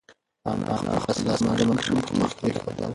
انا خپل لاسونه د ماشوم په مخ کېښودل.